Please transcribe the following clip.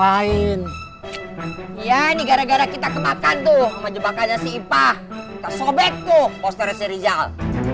lain ya nih gara gara kita kebakan tuh aja bakanya sih pak sobek tuh poster seri jal